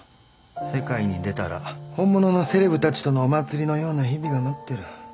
世界に出たら本物のセレブたちとのお祭りのような日々が待ってる。